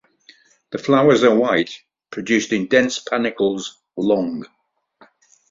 The flowers are white, produced in dense panicles long.